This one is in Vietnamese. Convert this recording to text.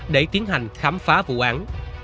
để tiến hành khám phá vụ án